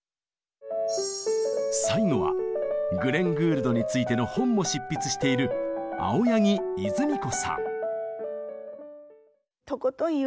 最後はグレン・グールドについての本も執筆している崩さないというか。